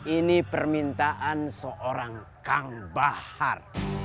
ini permintaan seorang kang bahar